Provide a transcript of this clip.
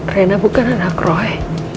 reina bukan anak roy